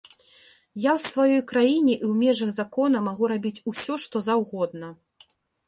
Я ў сваёй краіне і ў межах закона магу рабіць усё, што заўгодна.